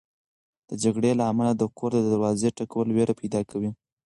د جګړې له امله د کور د دروازې ټکول وېره پیدا کوي.